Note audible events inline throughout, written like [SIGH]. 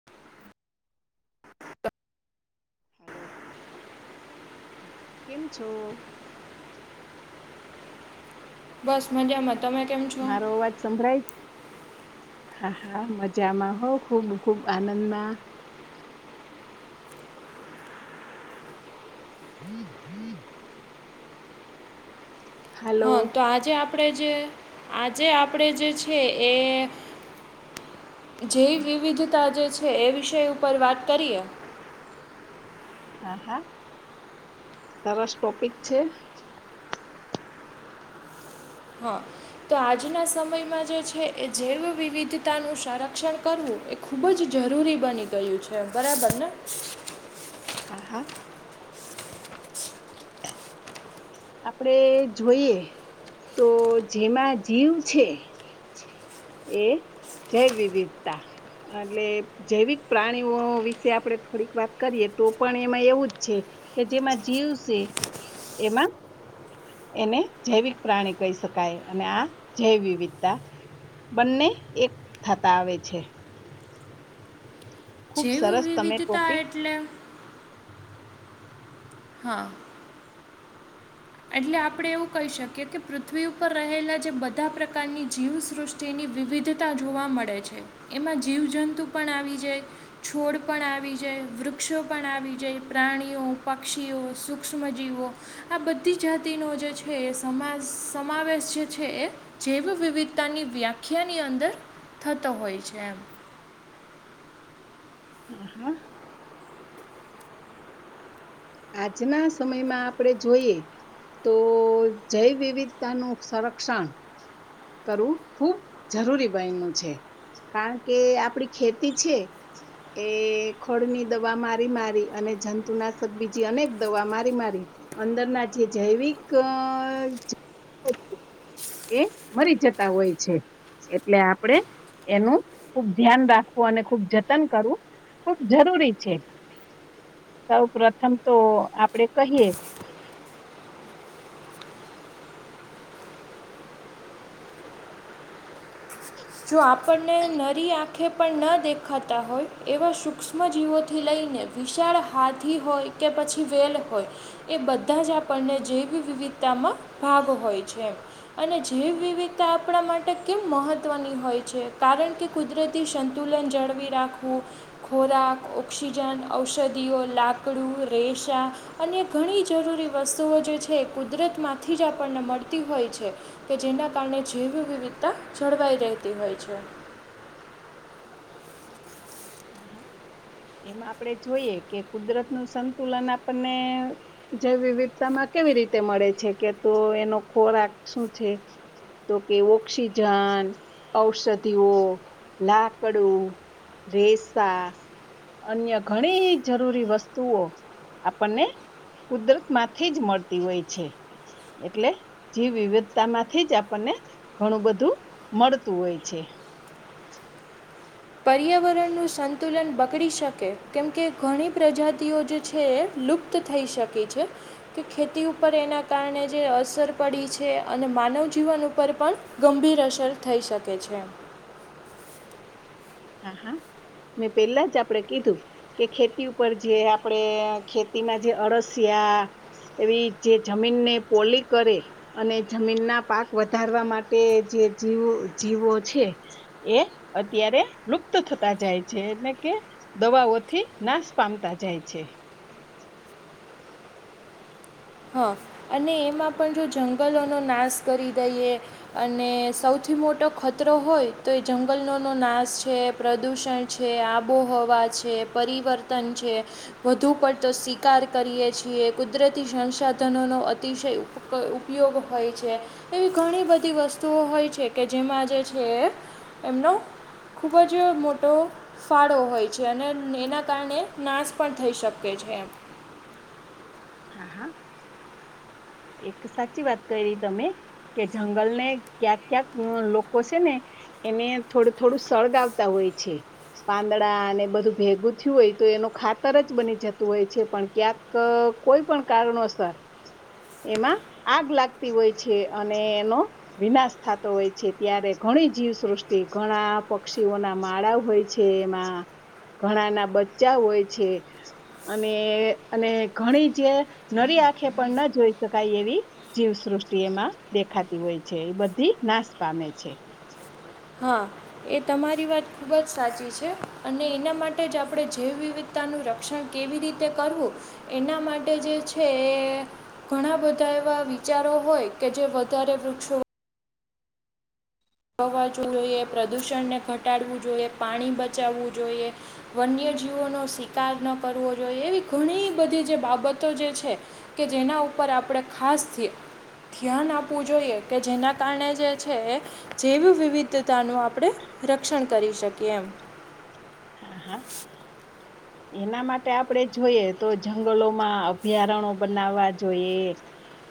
[UNINTELLIGIBLE] હાલો કેમ છો? બસ મજામાં. તમે કેમ છ મારો અવાજ સંભળાય? હા હા મજામાં હો ખુબ ખુબ આનંદમાં. હમ, હ. હાલો હં, તો આજે આપણે જે આજે આપણે જે છે એ. જે વિવિધતા જે છે, એ વિષય ઉપર વાત કરીએ. હા, હા, સરસ ટોપિક છે. હા. તો આજના સમયમાં જે છે, એ જૈવ વિવિધતાનું સંરક્ષણ કરવું. ખૂબ જ જરૂરી બની ગયું છે, બરાબર ને. હા, હા. આપડે જોઈએ તો, જેમાં જીવ છે. એ જૈવવિધતા એટલે. જૈવિક પ્રાણીઓ વિશે આપણે થોડીક વાત કરીએ, તો પણ એમાં એવું જ છે. કે જેમાં જીવ છે, એમાં. એને જૈવિક પ્રાણી કહી શકાય, અને આ જૈવ વિવિધતા બંને થતા આવે. ખૂબ જેવ સરસ તમે વિવિધતા ટોપિક એટલે. હા. એટલે આપણે એવું કહી શકીએ કે, પૃથ્વી ઉપર રહેલા જે બધા પ્રકારની જીવસૃષ્ટિ તેની વિવિધતા જોવા મળે છે, એમાં જીવજંતુ પણ આવી જાય. પણ આવી જાય, વૃક્ષો પણ આવી જાય, પ્રાણીઓ-પક્ષીઓ આ બધી જાતિનો જે છે, એ સમા સમાવેશ જે છે એ. જેવી વિવિધતાની વ્યાખ્યાની અંદર થતો હોય છે, એમ. હ, હા. આજના સમયમાં આપણે જોઈએ. તો જૈવ વિવિધતાનું સંરક્ષણ કરવું ખૂબ જરૂરી બનનું છે, કારણ કે આપડી ખેતી છે. એ ખળની દવા મારી મારી અને જંતુનાશક બીજી અનેક દવા મારી મારી અંદરના જે જૈવિક અ [INAUDIBLE] એ મરી જતા હોય છે. એટલે આપડે ખુબ ધ્યાન રાખવું, અને જતન કરવું. ખુબ જરૂરી છે, સૌ પ્રથમ તો આપડે કહીએ. જો આપણને નરી આંખે પણ ન દેખાતા હોય, એવા સૂક્ષ્મજીવોથી લઈને. વિશાળ હાથી હોય કે, પછી વેલ હોય. એ બધા જ આપણને જૈવ વિવિધતામાં ભાગ હોય છે. અને જૈવ વિવિધતા આપણા માટે કેમ મહવ? હોય છે, કારણ કે કુદરતી સંતુલન જાળવી રાખવું. ખોરાક, ઓક્સિજન, ઔષધિઓ, લાકડું, રેશા. અને ઘણી જરૂરી વસ્તુઓ જે છે, એ કુદરત માંથી જ આપણને મળતી હોય છે. કે જેના કારણે જેવી વિવિધતા જળવાઈ રહેતી હોય છે. હા, એમાં આપડે જોઈએ કે, કુદરત નું સંતુલન આપણને જે વિવિધતામાં કેવી રીતે મળે છે કે, તો એનો ખોરાક શું છે? તો કે ઓક્સિજન, ઔષધિઓ, લાકડું. રસા. અન્ય ઘણી જરૂરી વસ્તુઓ આપણને કુદરત માંથી જ છે. એટલે જી વિવિધતા માંથી જ આપણને ઘણું બધું મળતું હોય છે. પર્યાવરણનું સંતુલન બગડી શકે કેમકે ઘણી પ્રજાતિઓ જે છે એ લુપ્ત થઈ શકે છે કે ખેતી ઉપર એના કારણે જે અસર પડી છે અને માનવ જીવન ઉપર પણ ગંભીર અસર થઈ શકે છે હા હા મેં પેલા જ આપણેે કીધું કે ખેતી ઉપર જે આપડે ખેતીમાં જે અળસિયા એવી જે જમીનને પોલી કરે અને જમીન ના પાક વધારવા માટે જે જીવો જીવો છે એ અત્યારે લુપ્ત થતા જાય છે એટલે કે દવાઓથી નાશ પામતા જાય છે હા અને એમાં પણ જો જંગલોનો નાશ કરી દઈએ અને સૌથી મોટો ખતરો હોય તો એ જંગલોનોનો નાશ છે પ્રદૂષણ છે આબોહવા છે પરિવર્તન છે વધુ પડતો શિકાર કરીએે છીએ કુદરતી સં સાધનોનો અતિશય ઉપ ઉપયોગ હોય છે. એવી ઘણી બધી વસ્તુઓ હોય છે કે જેમાં જે છે એ એમનો ખૂબ જ મોટો ફાળો હોય છે અને એના કારણે નાશ પણ થઈ શકે છે હા હા એક સાચી વાત કરી તમે કે જંગલ ને ક્યાંક ક્યાંક લોકો છે ને એને થોડું થોડું સળગાવતા હોય છે. પાંદડા અને બધું ભેગું થયું હોય તો એનું ખાતર જ બની જતું હોય છે પણ ક્યાંક કોઈ પણ કારણોસર એમાં આગ લાગતી હોય છે અને એનો વિનાશ થાતો હોય છે ત્યારે ઘણી જીવસૃષ્ટિ ઘણા પક્ષીઓના માળા હોય છે એમાં ઘણા ના બચ્ચા હોય છે. અને અને ઘણી જે નરી આંખે પણ ન જોઈ શકાય એવી જીવસૃષ્ટિ એમાં દેખાતી હોય છે એ બધી નાશ પામે છે. હા એ તમારી વાત ખૂબ જ સાચી છે અને એના માટે જ આપણે જેવી વિધ પોતાનું રક્ષણ કેવી રીતે કરવું એના માટે જે છે ઘણા બધા એવા વિચારો હોય કે જે વધારે વૃક્ષો વાવા જોઈએ પ્રદૂષણને ઘટાડવું જોઈએ પાણી બચાવવું જોઈએ. વન્યજીવોનો શિકાર ન કરવો જોઈએ એવી ઘણી બધી જે બાબતો જે છે. કે જેના ઉપર આપણે ખાસથી ધ્યાન આપવું જોઈએ કે જેના કારણે જે છે. જેવી વિવિધતાનું આપણે રક્ષણ કરી શકીએ એમ. હ હા એના માટે આપડે જોઈએ તો જંગલોમાં અભયારણ્યો બનાવવા જોઈએ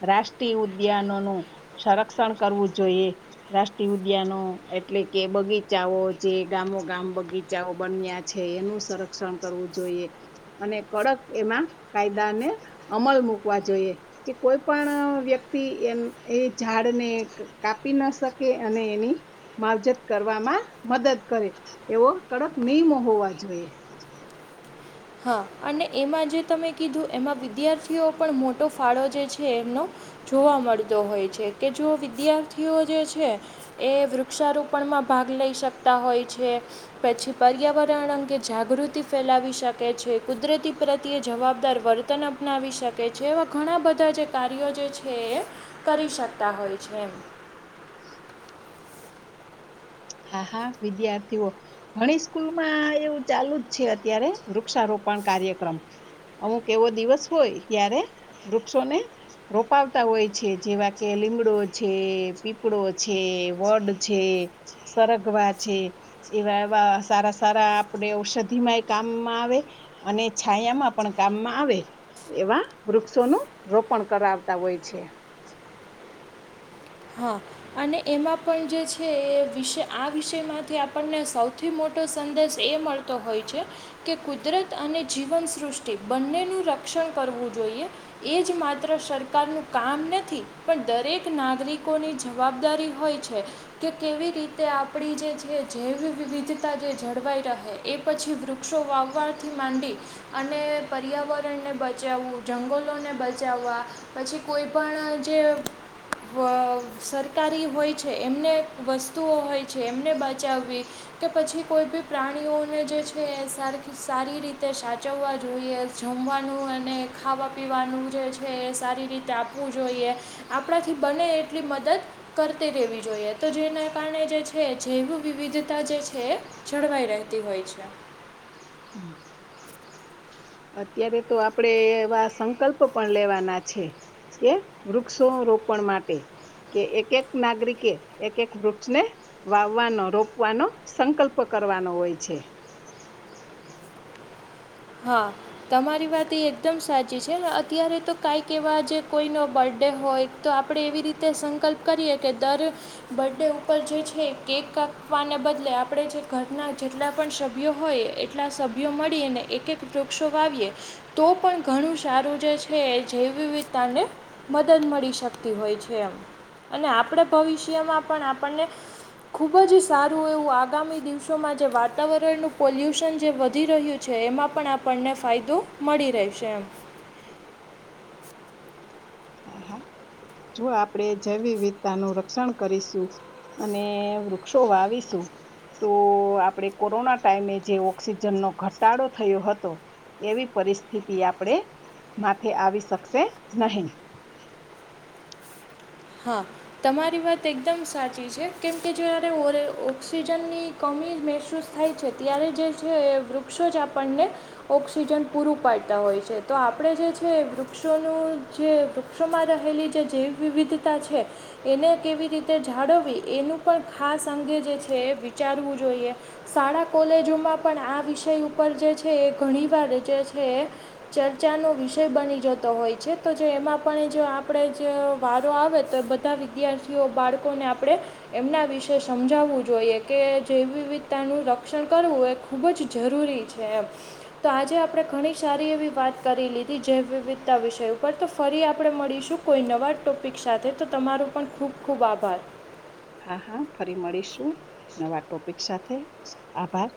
રાષ્ટ્રીય ઉદ્યાનોનું સંરક્ષણ કરવું જોઈએ રાષ્ટ્રીય ઉદ્યાનો એટલે કે બગીચાઓ જે ગામો ગામ બગીચાઓ બન્યા છે એનું સંરક્ષણ કરવું જોઈએ અને કડક એમાં કાયદા ને અમલ મૂકવા જોઈએ કે કોઈ પણ વ્યક્તિ એ એ ઝાડને કાપી ના શકે અને એની માવજત કરવામાં મદદ કરે, એવો કડક નિયમો હોવા જોઈએ. હા, અને એમાં જે તમે કીધું એમાં વિદ્યાર્થીઓ પણ મોટો ફાળો જે છે એમનો. જોવા મળતો હોય છે, કે જો વિદ્યાર્થીઓ જે છે. એ વૃક્ષારોપણ માં ભાગ લઈ શકતા હોય છે. પછી પર્યાવરણ અંગે જાગૃતિ ફેલાવી શકે. શકે છે, કુદરતી પ્રત્યે જવાબદાર વર્તન અપનાવી શકે છે, એવા ઘણા બધા જે કાર્યો જે છે. એ એ કરી શકતા હોય છે એમ. [UNINTELLIGIBLE] હા, હા, વિદ્યાર્થીઓ. ઘણી સ્કૂલમાં એવું ચાલુ જ છે, અત્યારે વૃક્ષારોપણ કાર્યક્રમ. અમુક એવો દિવસ હોય ત્યારે વૃક્ષોને રોપાવતા હોય છે, જેવા કે લીમડો છે, પીપળો છે, વડ છે. સરગવા છે. એવા, એવા, સારા-સારા આપણે ઔષધિમાં એ કામમાં આવે. અને છાયામાં પણ કામમાં આવે. એવા વૃક્ષોનું રોપણ કરાવતા હોય છે. હા. અને એમાં પણ જે છે, એ વિશે આ વિષયમાંથી આપણને સૌથી મોટો સંદેશ એ મળ તો હોય છે. કે કુદરત અને જીવન સૃષ્ટિ બંનેનું રક્ષણ કરવું જોઈએ. એજ માત્ર સરકાર નું કામ નથી, પણ દરેક નાગરિક કોની જવાબદારી હોય છે? કે કેવી રીતે આપણી જે છે, જૈવ વિવિધતા જે જળવાઈ રહે. એ પછી વૃક્ષો વાવાથી માંડી. અને પર્યાવરણને બચાવવું, જંગલોને બચાવવા. પછી કોઈ પણ જે સરકારી હોય છે, એમને વસ્તુઓ હોય છે, એમને બચાવવી. કે પછી કોઈ બી પ્રાણીઓને જે છે, એ સ સારી રીતે સાચવવા જોઈએ. જમવાનું અને ખાવા પીવાનું જે છે, એ સારી રીતે આપવું જોઈએ. આપણાથી બને એટલી મદદ. કરતી રહેવી જોઈએ તો, જેના કારણે જે છે, જૈવ વિવિધતા જે છે. જળવાઈ રહેતી હોય છે. હમ. અત્યારે તો આપડે એવા સંકલ્પ પણ લેવાના છે. કે વૃક્ષો રોપણ માટે. કે એક-એક નાગરિકે એક-એક વૃક્ષને વાવવાનો, રોપવાનો સંકલ્પ કરવાનો હોય છે. હા. તમારી વાત એ એકદમ સાચી છે ને, અત્યારે તો કાંઈક એવા જે કોઈનો બર્થડે હોય. તો આપણે એવી રીતે સંકલ્પ કરીએ કે, દર બથર્ડે ઉપર જે છે કે, ક કાપવાને બદલે આપણે જે ઘરના જેટલા પણ સભ્યો હોય. સભ્યો મળી, અને એક એક વૃક્ષો વાવીએ. તો પણ ઘણું સારું જે છે, એ જેવ વિવિધતાને મદદ મળી શકતી હોય છે એમ, અને આપણે ભવિષ્યમાં પણ આપણને ખુબ જ સારું એવું, આગામી દિવસોમાં જે વાતાવરણનું પોલ્યુશન જે વધી રહ્યું. છે એમાં પણ આપણને ફાયદો મળી રહેશે એમ. હા હા જો આપણેે જૈવવિધતાનું રક્ષણ કરીશું અને વૃક્ષો વાવીશું તો આપણે કોરોના ટાઈમે જે ઓક્સિજનનો ઘટાડો થયો હતો. એવી પરિસ્થિતિ આપણેે માથે આવી શકશે નહી. હા તમારી વાત એકદમ સાચી છે કેમ કે જ્યારે ઓરે ઓક્સિજનની કમી મહેસૂસ થાય છે, ત્યારે જે છે એ વૃક્ષો જ આપણને ઓક્સિજન પૂરું પાડતા હોય છે તો આપણે જે છે વૃક્ષોનું જે વૃક્ષોમાં રહેલી જે જૈવ વિવિધતા છે એને કેવી રીતે જાળવવી એનુ પણ ખાસ અંગે જે છે એ વિચારવું જોઈએ. શાળા કોલેજોમાં પણ આ વિષય ઉપર જે છે એ ઘણીવાર જે છે. ચર્ચાનો વિષય બની જતો હોય છે તો જો એમાં પણ જો આપણે જ વાત આવે તો બધા વિદ્યાર્થીઓ બાળકોને આપણે એમના વિશે સમજાવવું જોઈએ કે જે વિવિધતાનું રક્ષણ કરવું એ ખૂબ જ જરૂરી છે એમ. તો આજે આપણે ઘણી સારી એવી વાત કરી લીધી જૈ વિવિધતા વિષય ઉપર તો ફરી આપણે મળીશું. કોઈ નવા ટોપિક સાથે તો તમારુ પણ ખૂબ ખૂબ આભાર. હા હા ફરી મળીશું નવા ટોપિક સાથે આભાર.